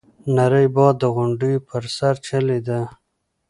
نری باد د غونډيو په سر چلېده.